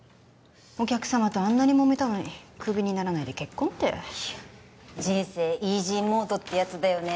お客様とあんなにモメたのにクビにならないで結婚っていや人生イージーモードってやつだよね